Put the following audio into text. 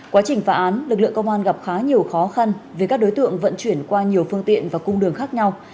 quá trình phá án lực lượng công an gặp khá nhiều khó khăn vì các đối tượng vận chuyển qua nhiều phương tiện và cung đường khác nhau